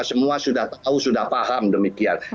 semua sudah tahu sudah paham demikian